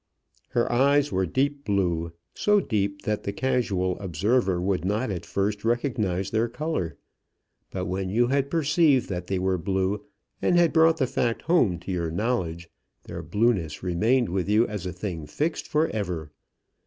Her eyes were deep blue, so deep that the casual observer would not at first recognise their colour. But when you had perceived that they were blue, and had brought the fact home to your knowledge, their blueness remained with you as a thing fixed for ever.